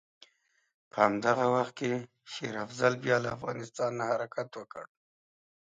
په همدغه وخت کې شېر افضل بیا له افغانستانه حرکت وکړ.